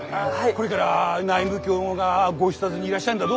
これから内務がご視察にいらっしゃるんだど。